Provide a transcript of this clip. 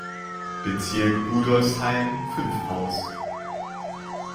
Bezirk Rudolfsheim-Fünfhaus.